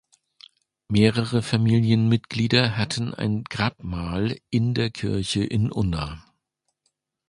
Mehrere Familienmitglieder hatten ein Grabmal in der Kirche in Unna.